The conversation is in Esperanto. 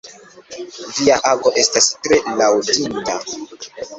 Via ago estas tre laŭdinda.